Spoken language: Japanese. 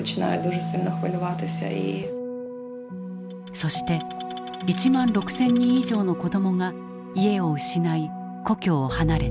そして１万６，０００人以上の子どもが家を失い故郷を離れた。